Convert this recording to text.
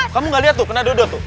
kamu gak liat tuh kena adudot tuh